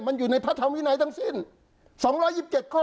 มันอยู่ในพระธรรมวินัยทั้งสิ้น๒๒๗ข้อ